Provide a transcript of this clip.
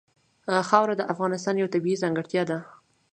خاوره د افغانستان یوه طبیعي ځانګړتیا ده.